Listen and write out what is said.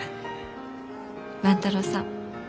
万太郎さん